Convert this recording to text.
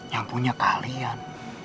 yang punya kalian